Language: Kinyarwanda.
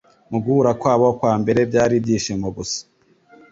Mu guhura kwabo kwambere byari ibyishimo gusa